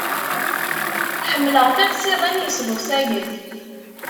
Ḥemmleɣ tiqsiḍin yesḍusayen.